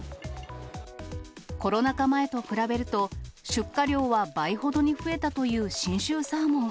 コロナ禍前と比べると、出荷量は倍ほどに増えたという信州サーモン。